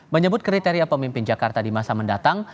menyebut kriteria pemimpin jakarta di masa mendatang